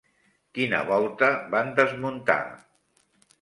Quina volta van desmuntar?